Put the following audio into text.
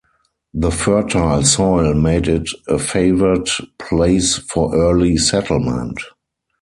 The fertile soil made it a favored place for early settlement.